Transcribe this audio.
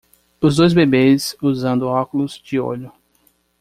os dois bebês usando óculos de olho